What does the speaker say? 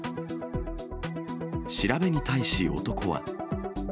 調べに対し男は。